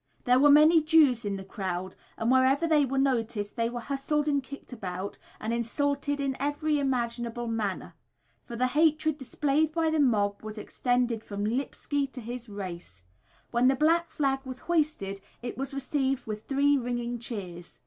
There were many Jews in the crowd, and wherever they were noticed they were hustled and kicked about, and insulted in every imaginable manner; for the hatred displayed by the mob was extended from Lipski to his race. When the black flag was hoisted it was received with three ringing cheers.